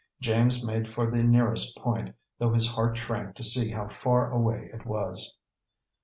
James made for the nearest point, though his heart shrank to see how far away it was.